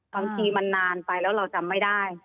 บางทีมันนานไปแล้วเราจำไม่ได้